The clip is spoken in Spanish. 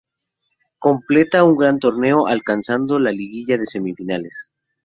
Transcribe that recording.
Completa un gran torneo, alcanzando la liguilla de semifinales.